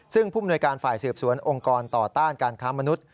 ซึ่งผู้มนวยการฝ่ายสืบสวนองค์กรต่อต้านการค้ามนุษย